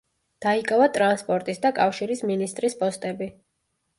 დაიკავა ტრანსპორტის და კავშირის მინისტრის პოსტები.